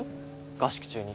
合宿中に。